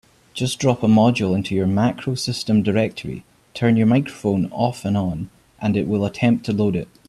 Just drop a module into your MacroSystem directory, turn your microphone off and on, and it will attempt to load it.